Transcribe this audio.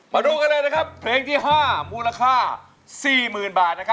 มาดูกันเลยนะครับเพลงที่๕มูลค่า๔๐๐๐บาท